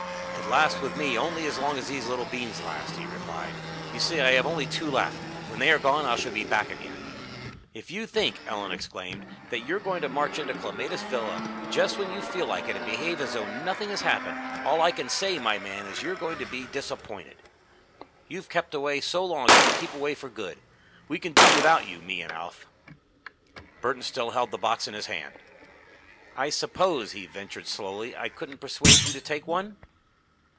"It lasts with me only as long as these little beans last," he replied. "You see, I have only two left. When they are gone, I shall be back again." "If you think," Ellen exclaimed, "that you're going to march into Clematis Villa just when you feel like it, and behave as though nothing has happened, all I can say, my man, is that you're going to be disappointed! You've kept away so long you can keep away for good. We can do without you, me and Alf." Burton still held the box in his hand. "I suppose," he ventured slowly, "I couldn't persuade you to take one?"